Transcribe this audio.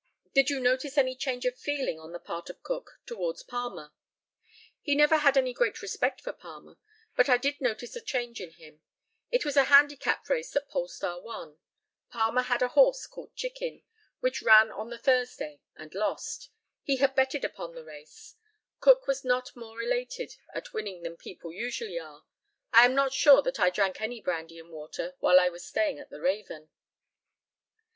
Did you notice any change of feeling on the part of Cook towards Palmer? He never had any great respect for Palmer, but I did notice a change in him. It was a handicap race that Polestar won. Palmer had a horse called Chicken, which ran on the Thursday and lost. He had betted upon the race. Cook was not more elated at winning than people usually are. I am not sure that I drank any brandy and water while I was staying at the Raven.